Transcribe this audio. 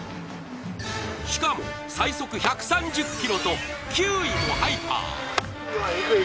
しかも、最速１３０キロと、球威もハイパー。